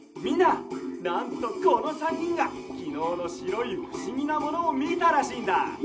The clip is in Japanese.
みんななんとこの３にんがきのうのしろいふしぎなものをみたらしいんだ！